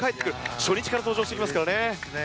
初日から登場してきますからね。